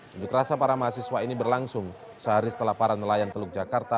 unjuk rasa para mahasiswa ini berlangsung sehari setelah para nelayan teluk jakarta